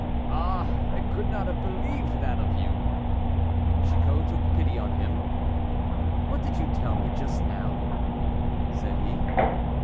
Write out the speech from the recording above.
Ah! I could not have believed that of you." Chicot took pity on him. "What did you tell me just now?" said he.